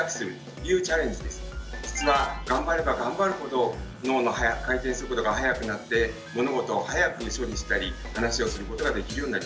実は頑張れば頑張るほど脳の回転速度が速くなって物事を速く処理したり話をすることができるようになります。